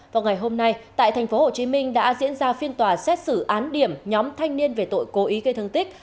vào ngày hôm nay tại tp hcm đã diễn ra phiên tòa xét xử án điểm nhóm thanh niên về tội cố ý gây thương tích